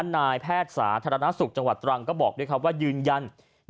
นายแพทย์สาธารณสุขจังหวัดตรังก็บอกด้วยครับว่ายืนยัน